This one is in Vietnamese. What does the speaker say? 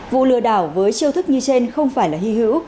vụ lừa đảo với chiêu thức như trên không phải là hy hữu